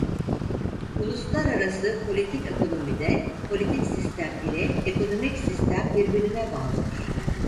Uluslararası Politik Ekonomi'de politik sistem ile ekonomik sistem birbirine bağlıdır.